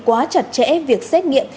quá chặt chẽ việc xét nghiệm